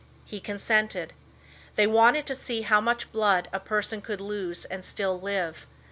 He consented. They wanted to see how much blood a person could lose and still live.